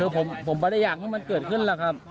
ผมไม่ได้อยากให้มันเกิดขึ้นหรอกครับ